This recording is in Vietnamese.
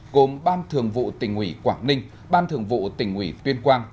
gồm ban thường vụ tỉnh ủy quảng ninh ban thường vụ tỉnh ủy tuyên quang